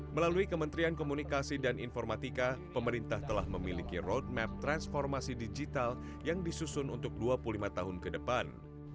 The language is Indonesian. melalui kementerian komunikasi dan informatika pemerintah telah memiliki roadmap transformasi digital yang disusun untuk dua puluh lima tahun ke depan